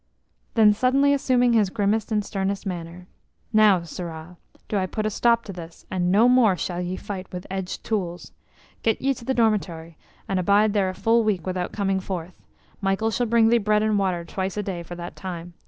Then suddenly assuming his grimmest and sternest manner: "Now, sirrah, do I put a stop to this, and no more shall ye fight with edged tools. Get thee to the dormitory, and abide there a full week without coming forth. Michael shall bring thee bread and water twice a day for that time.